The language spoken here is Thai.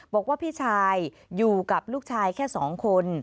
บอกว่าพี่ชายอยู่กับลูกชายแค่๒คน